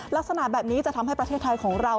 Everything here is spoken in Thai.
ลักษณะแบบนี้จะทำให้ประเทศไทยของเรา